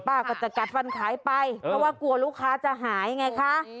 ก็จะกัดฟันขายไปเพราะว่ากลัวลูกค้าจะหายไงคะ